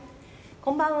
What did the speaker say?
「こんばんは。